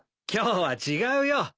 今日は違うよ。